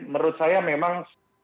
menurut saya memang